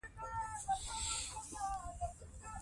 ځوانان د هيواد راتلونکي جوړونکي دي .